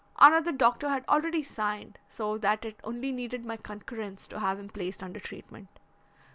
Another doctor had already signed, so that it only needed my concurrence to have him placed under treatment.